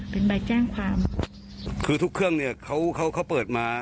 เป็นใบแจ้งความคือทุกเครื่องเนี่ยเขาเขาเปิดมา